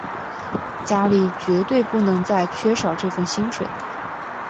家里绝对不能再缺少这份薪水